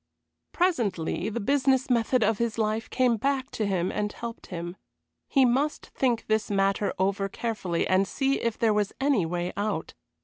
Presently the business method of his life came back to him and helped him. He must think this matter over carefully and see if there was any way out.